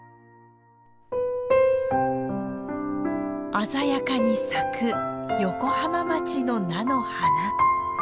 鮮やかに咲く横浜町の菜の花。